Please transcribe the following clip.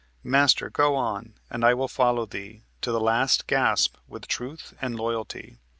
"Master, go on, and I will follow thee To the last gasp with truth and loyalty."